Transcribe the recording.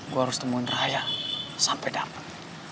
gue harus temuin ryan sampai dapet